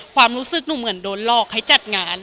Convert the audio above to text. ความรู้สึกหนูเหมือนโดนหลอกให้จัดงาน